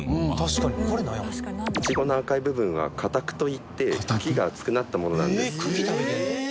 イチゴの赤い部分は花托といって茎が厚くなったものなんです。